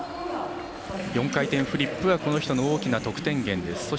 ４回転フリップはこの人の大きな得点源です。